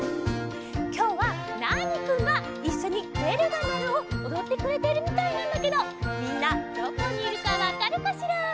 きょうはナーニくんがいっしょに「べるがなる」をおどってくれているみたいなんだけどみんなどこにいるかわかるかしら？